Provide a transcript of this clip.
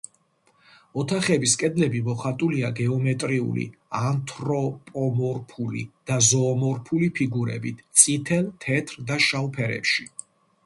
ოთახების კედლები მოხატულია გეომეტრიული, ანთროპომორფული თუ ზოომორფული ფიგურებით წითელ, თეთრ და შავ ფერებში.